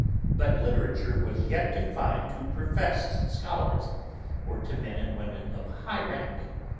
But literature was yet confined to professed scholars, or to men and women of high rank.